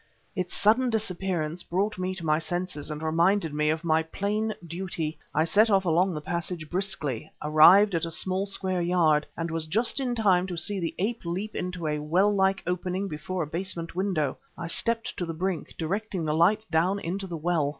Its sudden disappearance brought me to my senses and reminded me of my plain duty. I set off along the passage briskly, arrived at a small, square yard ... and was just in time to see the ape leap into a well like opening before a basement window. I stepped to the brink, directing the light down into the well.